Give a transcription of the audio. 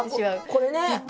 これね。